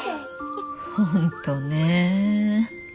本当ね。